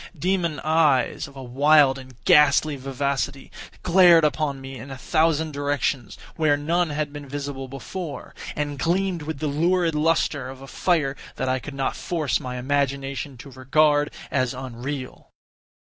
Demon eyes, of a wild and ghastly vivacity, glared upon me in a thousand directions, where none had been visible before, and gleamed with the lurid lustre of a fire that I could not force my imagination to regard as unreal.